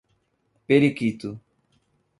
Periquito